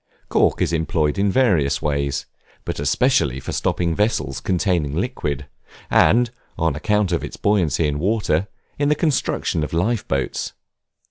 Cork is employed in various ways, but especially for stopping vessels containing liquids, and, on account of its buoyancy in water, in the construction of life boats.